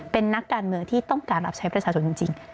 เป็นนักการเมืองที่ต้องการรับใช้ประชาชนจริง